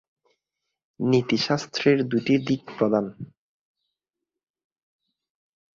নীতিশাস্ত্রের দুইটি দিক প্রধান।